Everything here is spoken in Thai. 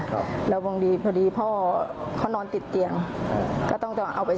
ครับแล้วบางทีพอดีพ่อเขานอนติดเตียงก็ต้องจะเอาไป